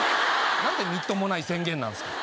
何てみっともない宣言なんすか？